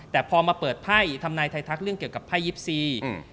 แต่พอมาเปิดภัยทำนายไทยทักษ์เรื่องเกี่ยวกับภัยยิปซี